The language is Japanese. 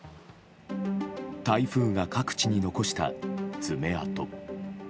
台風が各地に残した爪痕。